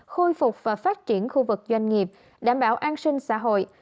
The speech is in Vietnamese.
khôi phục và phát triển khu vực doanh nghiệp đảm bảo an sinh xã hội